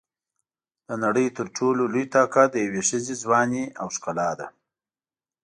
د نړۍ تر ټولو لوی طاقت د یوې ښځې ځواني او ښکلا ده.